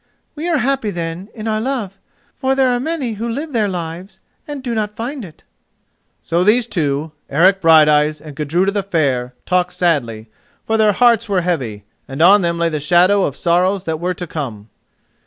We are happy, then, in our love, for there are many who live their lives and do not find it." So these two, Eric Brighteyes and Gudruda the Fair, talked sadly, for their hearts were heavy, and on them lay the shadow of sorrows that were to come.